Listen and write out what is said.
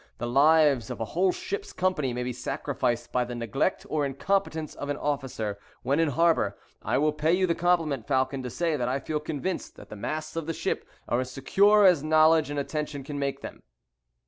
The lives of a whole ship's company may be sacrificed by the neglect or incompetence of an officer when in harbor. I will pay you the compliment, Falcon, to say, that I feel convinced that the masts of the ship are as secure as knowledge and attention can make them."